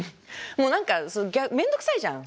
もう何か面倒くさいじゃん。